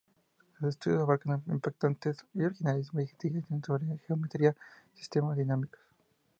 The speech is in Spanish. Sus estudios abarcan impactantes y originales investigaciones sobre geometría y sistemas dinámicos.